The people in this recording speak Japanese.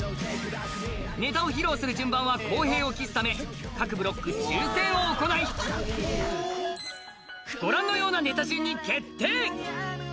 ネタを披露する順番は公平を期すため各ブロック抽選を行いご覧のようなネタ順に決定。